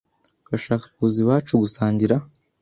Urashaka kuza iwacu gusangira?